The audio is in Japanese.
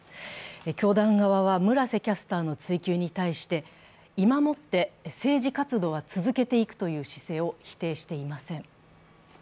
教団側は村瀬キャスターの追及に対して今もって政治活動は続けていくという姿勢を否定していません。